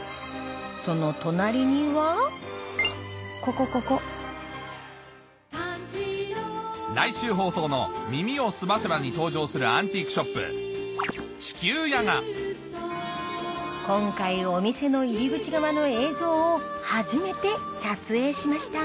その隣にはここここに登場するアンティークショップ地球屋が今回お店の入り口側の映像を初めて撮影しました